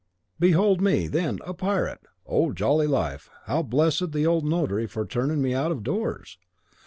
Behold me, then, a pirate! O jolly life! how I blessed the old notary for turning me out of doors!